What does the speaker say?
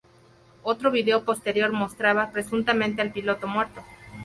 Otro vídeo posterior mostraba presuntamente al piloto muerto.